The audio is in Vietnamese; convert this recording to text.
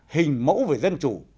hình mẫu về dân chủ